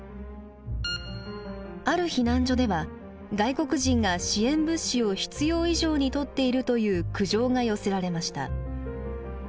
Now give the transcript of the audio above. ある避難所では外国人が支援物資を必要以上に取っているという苦情が寄せられました。